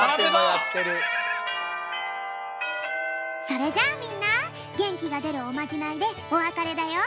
それじゃあみんなげんきがでるおまじないでおわかれだよ。